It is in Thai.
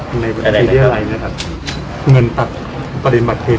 พี่แจงในประเด็นที่เกี่ยวข้องกับความผิดที่ถูกเกาหา